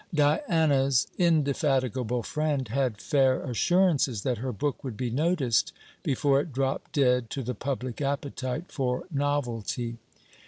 Diana's indefatigable friend had fair assurances that her book would be noticed before it dropped dead to the public appetite for novelty.